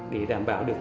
để đảm bảo được